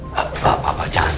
pak pak jangan pak